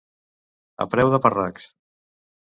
A preu de parracs.